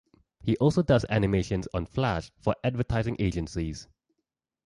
He also does animations on Flash for advertising agencies.